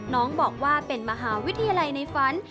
น้องบอกว่าเป็นมหาวิทยาลัยในฝัน